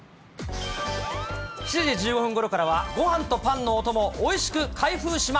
７時１５分ごろからは、ごはんとパンのお供をおいしく開封しま